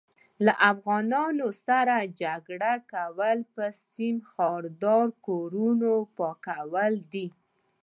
له افغانانو سره جنګ کول په سيم ښاردار کوونه پاکول دي